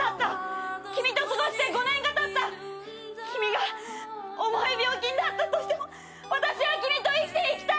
君が重い病気になったとしても私は君と生きていきたい！